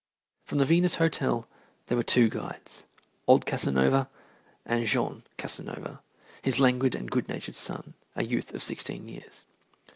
From the Venus Hotel there were two guides, old Casanova and Jean Casanova, his languid and good natured son, a youth of sixteen years.